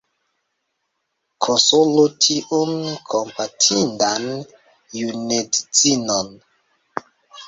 Konsolu tiun kompatindan junedzinon!..